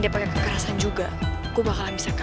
ya udah netanya mahal sih